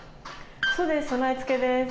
そうです備え付けです。